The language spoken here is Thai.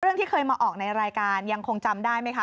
ที่เคยมาออกในรายการยังคงจำได้ไหมคะ